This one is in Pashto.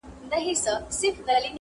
ټول عالم ليدل چي لوڅ سلطان روان دئ!!